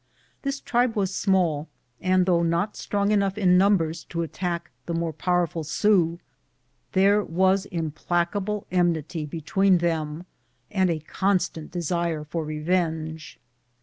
This tribe was small, and thongh not strong enough in numbers to attack the more powerful Sioux, there was implacable enmity between them, and a con stant desire for revenge.